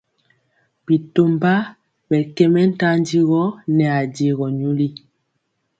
Bitomba ɓɛ kɛ mɛntanjigɔ nɛ ajegɔ nyoli.